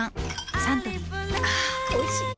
サントリーあぁおいしい！